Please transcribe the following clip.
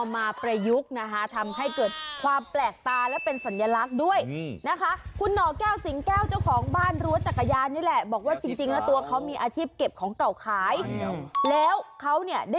เว้ยเว้ยเว้ยก็เพราะถ้าลุดน็อดหลุดนี่ไงก็เลียง